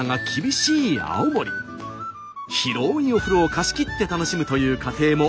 広いお風呂を貸し切って楽しむという家庭も多いんです。